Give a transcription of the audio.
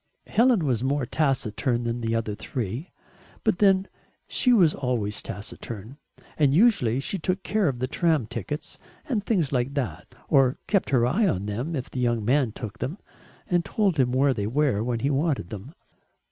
Helen was more taciturn than the other three, but then she was always taciturn, and usually she took care of the tram tickets and things like that, or kept her eye on them if the young man took them, and told him where they were when he wanted them.